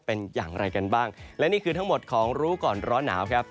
เป็นอย่างไรกันบ้างและนี่คือทั้งหมดของรู้ก่อนร้อนหนาวครับ